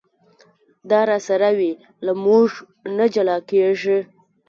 دا راسره وي له مونږه نه جلا کېږي.